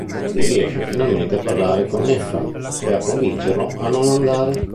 Andy riesce finalmente a parlare con Ephram e a convincerlo a non andare.